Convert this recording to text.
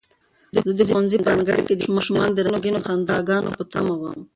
زه د ښوونځي په انګړ کې د ماشومانو د رنګینو خنداګانو په تمه وم.